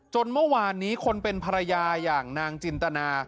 เมื่อวานนี้คนเป็นภรรยาอย่างนางจินตนา